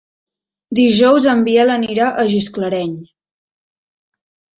Dijous en Biel anirà a Gisclareny.